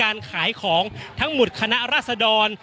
อย่างที่บอกไปว่าเรายังยึดในเรื่องของข้อ